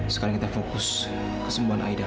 sekarang kita fokus kesembuhan aida